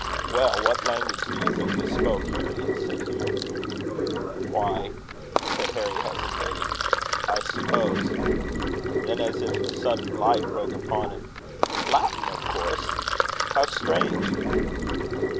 "Well, what language do you think they spoke, Harry?" said Hugh. "Why," said Harry, hesitating, "I suppose " then, as if a sudden light broke upon him "Latin of course. How strange!"